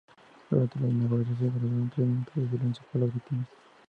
Durante la inauguración se guardaron tres minutos de silencio por las víctimas.